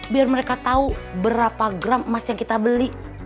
biar mereka tahu berapa gram emas yang kita beli